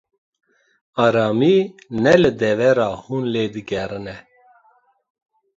Aramî, ne li devera hûn lê digerin e.